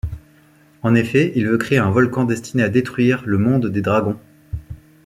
En effet, il veut créer un volcan destiné à détruire le monde des dragons.